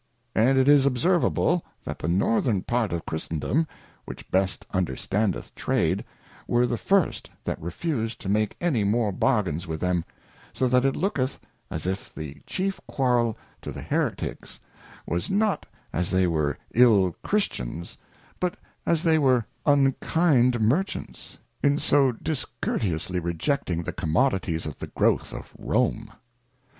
And it is observable, that the Northern part of Christendom, which best understandeth Trade, were the first that refused to make any more Bargains with them ; so that it looketh as if the chief quarrel to the Hereticks was not as they were ill Christians, but no The Anatomy of an Equivalent. but jis Jthey were unkind Merchants, in so discourteously reject ing the Commodities^f^the. growth of Rome.